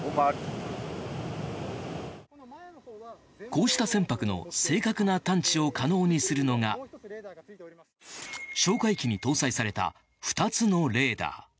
こうした船舶の正確な探知を可能にするのが哨戒機に搭載された２つのレーダー。